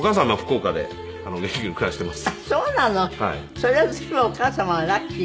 それは随分お母様はラッキーねでも。